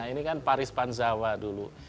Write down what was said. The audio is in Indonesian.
ini kan paris panzawa dulu